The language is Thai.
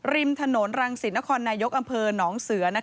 ริมถนนรังสิตนครนายกอำเภอหนองเสือ